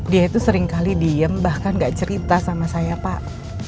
dia itu seringkali diem bahkan gak cerita sama saya pak